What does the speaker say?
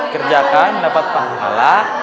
kerjakan mendapat pahala